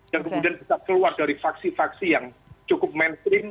dan kemudian bisa keluar dari saksi saksi yang cukup mainstream